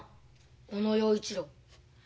小野陽一郎。